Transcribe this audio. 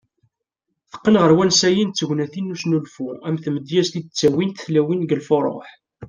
Teqqen ɣer wansayen d tegnatin n usnulfu ,am tmedyazt i d -ttawint tlawin deg lfuruh.